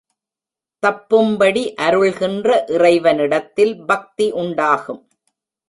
தப்பும்படி அருள்கின்ற இறைவனிடத்தில் பக்தி உண்டாகும்.